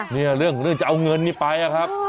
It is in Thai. เนี่ยเรื่องของเรื่องจะเอาเงินนี้ไปอะครับ